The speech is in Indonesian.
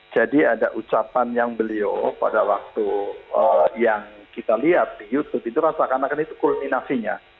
jadi ada ucapan yang beliau pada waktu yang kita lihat di youtube itu rasakan akan itu kulminasinya